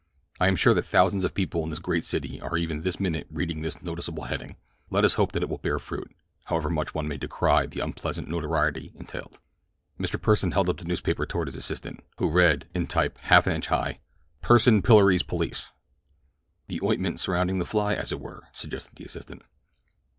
I am sure that thousands of people in this great city are even this minute reading this noticeable heading—let us hope that it will bear fruit, however much one may decry the unpleasant notoriety entailed." Mr. Pursen held up the newspaper toward his assistant, who read, in type half an inch high: "PURSEN PILLORIES POLICE" "The ointment surrounding the fly, as it were," suggested the assistant.